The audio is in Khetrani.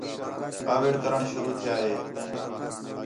کاوِڑ کرݨ شروع تِھیا ہِے